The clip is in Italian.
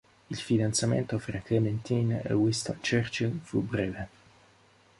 Il fidanzamento fra Clementine e Winston Churchill fu breve.